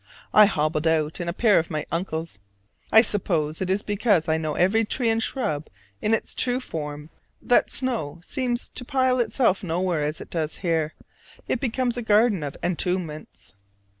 I hobbled out in a pair of my uncle's. I suppose it is because I know every tree and shrub in its true form that snow seems to pile itself nowhere as it does here: it becomes a garden of entombments.